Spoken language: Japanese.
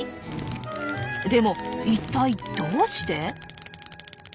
でも一体どうして？